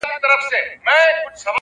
لوی فکر لوی عمل ته اړتیا لري